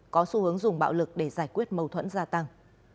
có xu hướng dùng bạo lực để giải quyết mâu thuẫn gia tăng